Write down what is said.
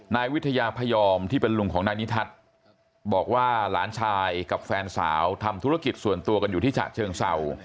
นายวิทยาพยอมที่เป็นลุงของนายนิทัศน์บอกว่าหลานชายกับแฟนสาวทำธุรกิจส่วนตัวกันอยู่ที่ฉะเชิงเศร้า